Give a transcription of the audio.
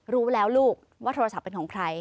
รู้แล้วลูกว่าโทรศัพท์เป็นของใคร